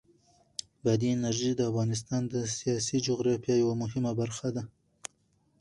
بادي انرژي د افغانستان د سیاسي جغرافیه یوه مهمه برخه ده.